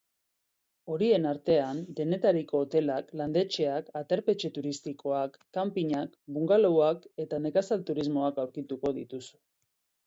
Horien artean, denetariko hotelak, landetxeak, aterpetxe turistikoak, kanpinak, bungalow-ak eta nekazalturismoak aurkituko dituzu.